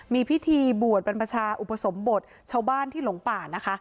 มีพิธีบวชบรรพชาอุปสมบทชาวบ้านที่หลงป่านะคะ